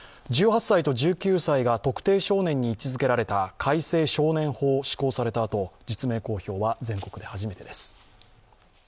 １８歳と１９歳が特定少年に位置づけられた改正少年法が施行されたあと実名公表は全国で初めてです。